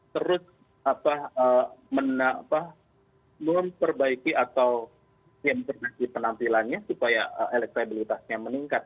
terus memperbaiki atau memperbaiki penampilannya supaya elektabilitasnya meningkat